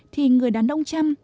thì người đàn ông trăm